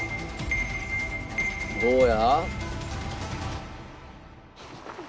「どうや？」